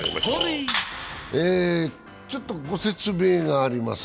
ちょっとご説明があります。